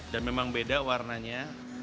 dan memang beda warnanya